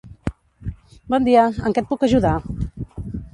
Bon dia, en què et puc ajudar?